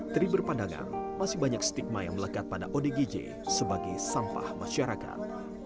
tri berpandangan masih banyak stigma yang melekat pada odgj sebagai sampah masyarakat